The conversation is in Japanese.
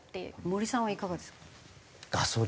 森さんはいかがですか？